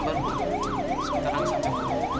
sekarang sampai rumah sakit